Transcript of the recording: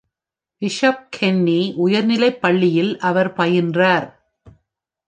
Bishop Kenny உயர்நிலைப் பள்ளியில் அவர் பயின்றார்.